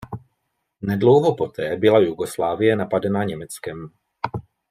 Nedlouho poté byla Jugoslávie napadena Německem.